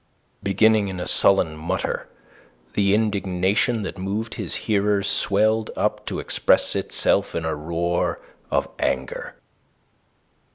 Beginning in a sullen mutter, the indignation that moved his hearers swelled up to express itself in a roar of anger.